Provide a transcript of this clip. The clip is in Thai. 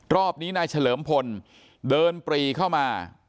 รอบนี้นายเฉลิมพลเดินปรีเข้ามา